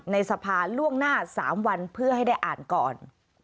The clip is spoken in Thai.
ในสภาล่วงหน้า๓วันเพื่อให้ได้อ่านก่อน